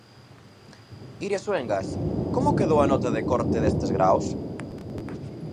Iria Soengas, como quedou a nota de corta destes graos?